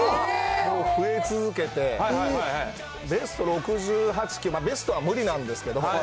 もう増え続けて、ベスト６８、ベストは無理なんですけど、